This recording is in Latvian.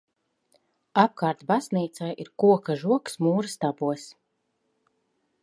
Apkārt baznīcai ir koka žogs mūra stabos.